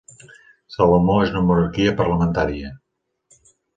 Salomó és una monarquia parlamentària.